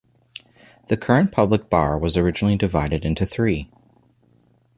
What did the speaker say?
The current public bar was originally divided into three.